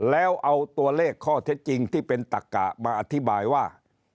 แล้วเอาตัวเลขข้อเท็จจริงที่เป็นตักกะมาอธิบายว่า